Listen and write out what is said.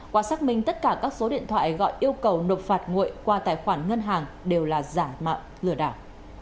qua xác minh tất cả các số điện thoại gọi yêu cầu nộp phạt nguội qua tài khoản ngân hàng đều là giả mạo lừa đảo